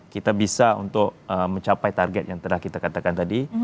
kita bisa untuk mencapai target yang telah kita katakan tadi